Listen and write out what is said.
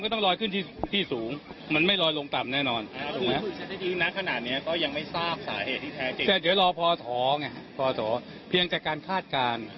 แต่เดี๋ยวรอพอท้อเพียงจากการคาดการณ์